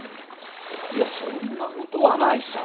いやそんな事はないさ。